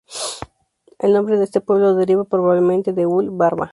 El nombre de este pueblo deriva probablemente de "ul", "barba".